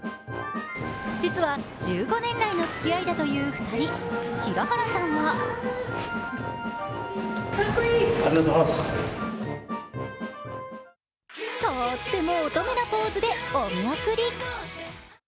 実は１５年来のつきあいだという２人平原さんはとーっても乙女なポーズでお見送り。